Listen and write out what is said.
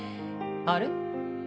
あれ？